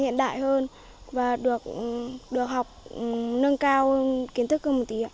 hiện đại hơn và được học nâng cao kiến thức hơn một tí